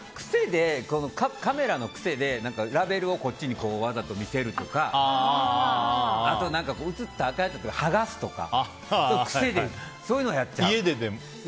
カメラの癖でラベルをこっちにわざと見せるとかあと、映ったらあかんやつは剥がすとか癖でそういうのはやっちゃう。